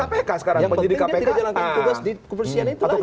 yang pentingnya tidak jalankan tugas di kepolisian itu